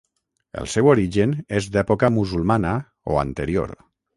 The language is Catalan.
El seu origen és d'època musulmana o anterior.